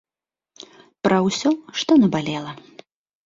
Пра ўсё, што набалела.